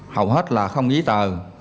hầu hết là không ghi tờ